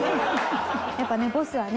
やっぱねボスはね